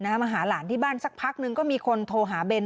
มาหาหลานที่บ้านสักพักนึงก็มีคนโทรหาเบน